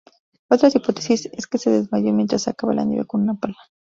Otra hipótesis es que se desmayó mientras sacaba la nieve con una pala.